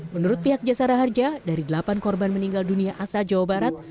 menurut pihak jasara harja dari delapan korban meninggal dunia asal jawa barat